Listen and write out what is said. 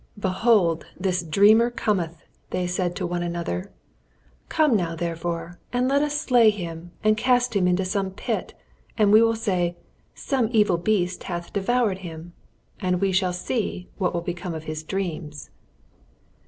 "Behold, this dreamer cometh!" they said one to another. "Come now, therefore, and let us slay him, and cast him into some pit, and we will say, 'Some evil beast hath devoured him!' and we shall see what will become of his dreams."